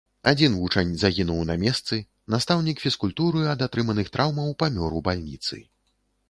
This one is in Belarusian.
Адзін вучань загінуў на месцы, настаўнік фізкультуры ад атрыманых траўмаў памёр у бальніцы.